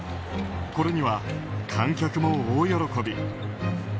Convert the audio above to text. これには観客も大喜び。